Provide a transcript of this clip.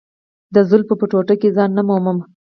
د زلفو په ټوټه کې ځای نه مومم.